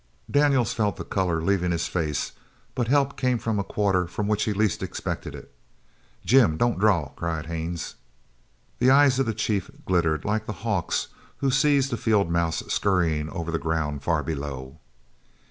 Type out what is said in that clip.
Daniels felt the colour leaving his face, but help came from the quarter from which he least expected it. "Jim, don't draw!" cried Haines. The eyes of the chief glittered like the hawk's who sees the field mouse scurrying over the ground far below.